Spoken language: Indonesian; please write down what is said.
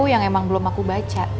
yang emang belum aku baca